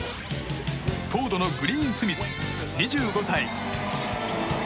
フォードのグリーンスミス２５歳。